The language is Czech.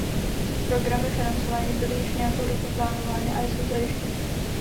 Programy financování byly již nějakou dobu plánovány a jsou zajištěny.